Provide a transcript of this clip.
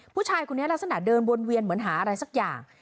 ผู้ชายคนนี้ลักษณะเดินวนเวียนเหมือนหาอะไรสักอย่าง